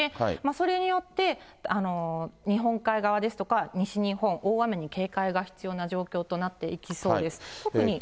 それによって、日本海側ですとか、西日本、大雨に警戒が必要な状況となっていきそうです。